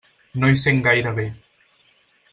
No hi sent gaire bé.